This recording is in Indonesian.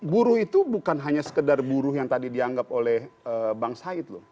buruh itu bukan hanya sekedar buruh yang tadi dianggap oleh bang said loh